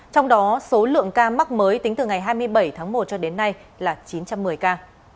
trong đó số lượng ca mắc mới tính từ ngày hai mươi bảy tháng một cho đến nay là chín trăm một mươi ca